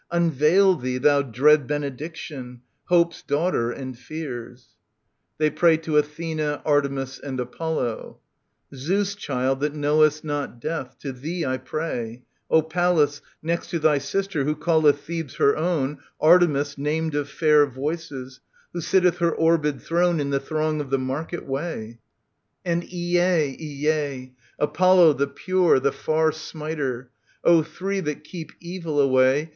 Unveil thee, thou dread benediction, Hope's daughter and Fear*s. [They pray to Athena, Artemis, and Apollo. Zeus Child that knowest not death, to thee I pray, O Pallas ; next to thy Sister, who calleth Thebes her own, Artemis, named of Fair Voices, who sitteth her orbW throne In the throng of the market way : II SOPHOCLES TV, 162 189 And 1 t ! I t 1 Apollo, the Pure, the Far smiter ; O Three that keep evil away.